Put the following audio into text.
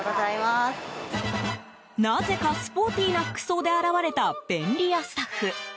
なぜかスポーティーな服装で現れた便利屋スタッフ。